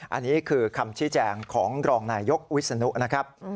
อันนี้คือคำชี้แจงของรองนายยกวิศนุนะครับ